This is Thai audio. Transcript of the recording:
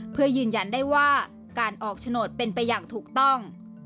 เพื่อยืนยันได้ว่าการออกโฉนดเป็นไปอย่างถูกต้อง